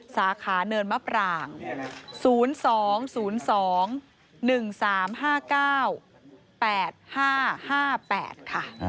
สาขาเนินมะปราง๐๒๐๒๑๓๕๙๘๕๕๘ค่ะ